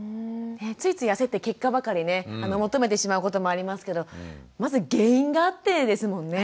ついつい焦って結果ばかりね求めてしまうこともありますけどまず原因があってですもんね。